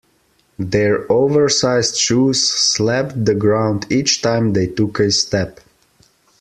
Their oversized shoes slapped the ground each time they took a step.